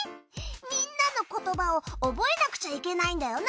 みんなのことばを覚えなくちゃいけないんだよな。